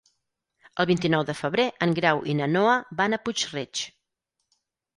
El vint-i-nou de febrer en Grau i na Noa van a Puig-reig.